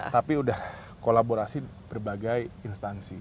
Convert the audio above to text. tapi sudah kolaborasi berbagai instansi